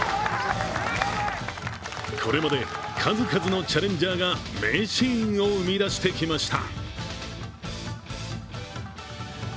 これまで数々のチャレンジャーが名シーンを生み出してきました。